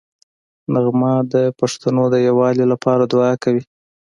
نغمه د پښتنو د یووالي لپاره دوعا کوي